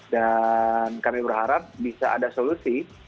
dan kami berharap bisa ada solusi